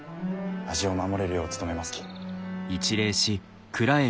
味を守れるよう努めますき。